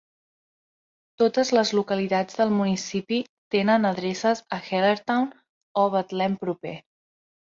Totes les localitats del municipi tenen adreces a Hellertown o Betlem proper.